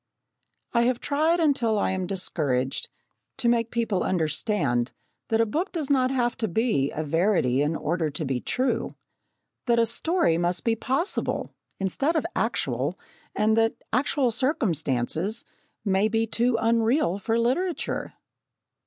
I have tried, until I am discouraged, to make people understand that a book does not have to be a verity in order to be true that a story must be possible, instead of actual, and that actual circumstances may be too unreal for literature.